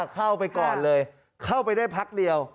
เข้าไปก่อนเลยเข้าไปได้พักเดียว